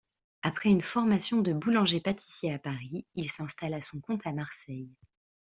Après une formation de boulanger-pâtissier à Paris, il s'installe à son compte à Marseille.